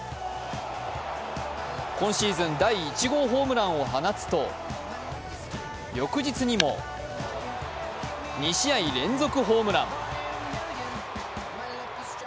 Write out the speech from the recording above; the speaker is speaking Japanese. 今シーズン第１号ホームランを放つと翌日にも２試合連続ホームラン。